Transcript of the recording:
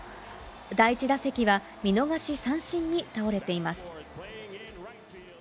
第１打席は見逃し三振に倒れています。